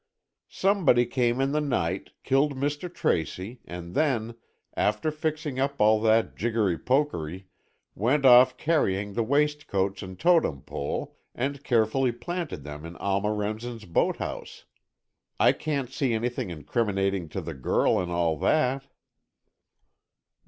Somebody came in the night, killed Mr. Tracy, and then, after fixing up all that jiggery pokery, went off carrying the waistcoats and Totem Pole, and carefully planted them in Alma Remsen's boathouse. I can't see anything incriminating to the girl in all that."